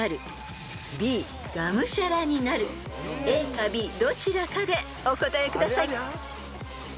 ［ＡかＢどちらかでお答えください］